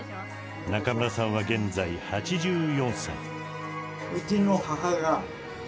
中村さんは現在８４歳。